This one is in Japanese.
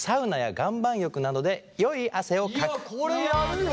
いやこれやるよ！